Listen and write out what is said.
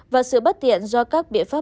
và sự bất tiện do các biện pháp